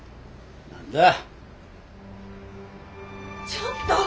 ちょっと！